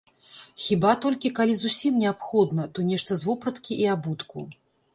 Хіба толькі калі зусім неабходна, то нешта з вопраткі і абутку.